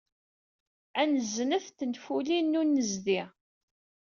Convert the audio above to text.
Ad nzent tenfulin n unnezdi.